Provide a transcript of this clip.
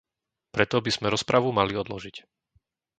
Preto by sme rozpravu mali odložiť.